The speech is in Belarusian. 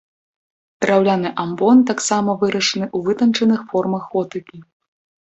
Драўляны амбон таксама вырашаны ў вытанчаных формах готыкі.